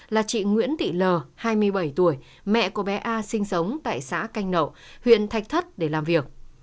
là chị nguyễn thị l hai mươi bảy tuổi mẹ của bé a sinh sống tại xã canh nậu huyện thạch thất để làm việc